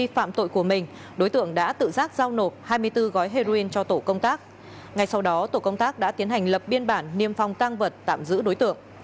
vì phạm tội của mình đối tượng đã tự giác giao nộp hai mươi bốn gói heroin cho tổ công tác ngay sau đó tổ công tác đã tiến hành lập biên bản niêm phong tăng vật tạm giữ đối tượng